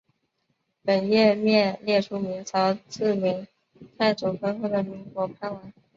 本页面列出明朝自明太祖分封的岷国藩王。